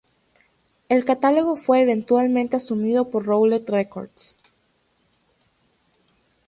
El catálogo fue eventualmente asumido por Roulette Records.